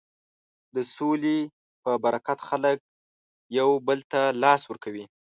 د سولې په برکت خلک یو بل ته لاس ورکوي.